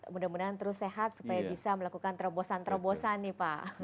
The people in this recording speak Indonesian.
mudah mudahan terus sehat supaya bisa melakukan terobosan terobosan nih pak